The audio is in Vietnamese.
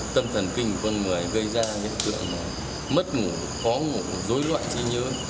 tâm thần kinh của con người gây ra những tượng mất ngủ khó ngủ dối loạn trí nhớ